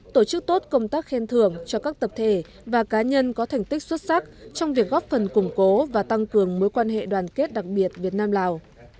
tổ chức tốt công tác khen thưởng cho các tập thể và cá nhân có thành tích xuất sắc trong việc góp phần củng cố và tăng cường mối quan hệ đoàn kết đặc biệt việt nam lào